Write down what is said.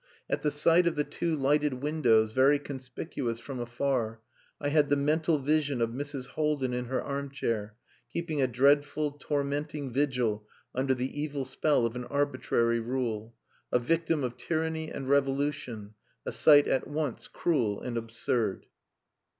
At the sight of the two lighted windows, very conspicuous from afar, I had the mental vision of Mrs. Haldin in her armchair keeping a dreadful, tormenting vigil under the evil spell of an arbitrary rule: a victim of tyranny and revolution, a sight at once cruel and absurd.